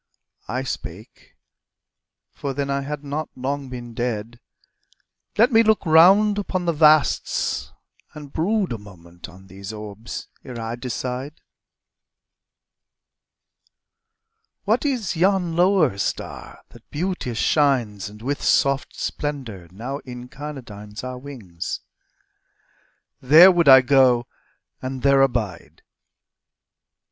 I spake for then I had not long been dead "Let me look round upon the vasts, and brood A moment on these orbs ere I decide ... What is yon lower star that beauteous shines And with soft splendor now incarnadines Our wings? There would I go and there abide."